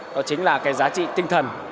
đó chính là cái giá trị tinh thần